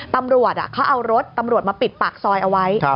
ตำรวจเขาเอารถตำรวจมาปิดปากซอยเอาไว้